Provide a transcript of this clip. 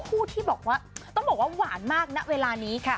ที่บอกว่าต้องบอกว่าหวานมากณเวลานี้ค่ะ